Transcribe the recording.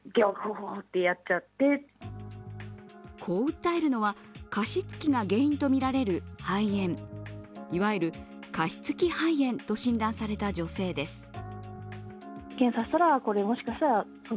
こう訴えるのは、加湿器が原因とみられる肺炎、いわゆる加湿器肺炎と診断された女性です。